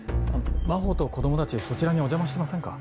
真帆と子供たちそちらにお邪魔してませんか？